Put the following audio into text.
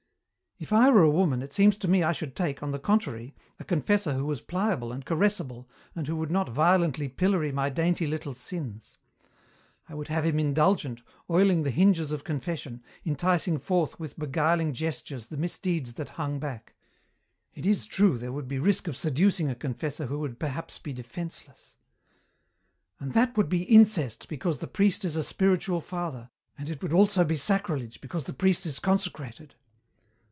"If I were a woman it seems to me I should take, on the contrary, a confessor who was pliable and caressible and who would not violently pillory my dainty little sins. I would have him indulgent, oiling the hinges of confession, enticing forth with beguiling gestures the misdeeds that hung back. It is true there would be risk of seducing a confessor who perhaps would be defenceless " "And that would be incest, because the priest is a spiritual father, and it would also be sacrilege, because the priest is consecrated.